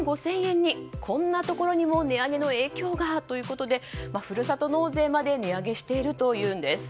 こんなところにも値上げの影響が？ということでふるさと納税まで値上げしているというんです。